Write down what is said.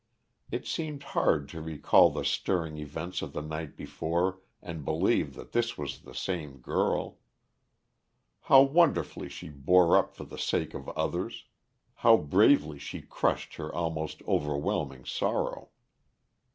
It seemed hard to recall the stirring events of the night before and believe that this was the same girl. How wonderfully she bore up for the sake of others; how bravely she crushed her almost overwhelming sorrow.